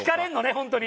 本当に。